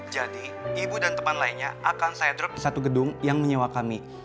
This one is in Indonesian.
jadi ibu dan teman lainnya akan saya drop di satu gedung yang menyewa kami